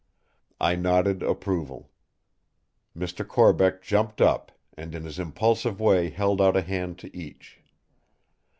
I nodded approval. Mr. Corbeck jumped up, and in his impulsive way held out a hand to each.